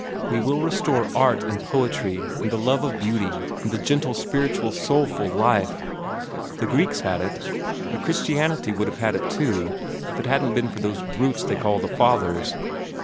We will restore art and poetry and the love of beauty, and the gentle, spiritual, soulful life. The Greeks had it; and Christianity would have had it too, if it hadn't been for those brutes they call the Fathers.